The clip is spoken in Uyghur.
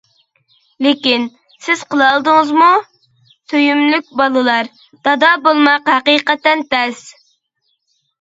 لېكىن، سىز قىلالىدىڭىزمۇ؟ سۆيۈملۈك بالىلار، دادا بولماق ھەقىقەتەن تەس.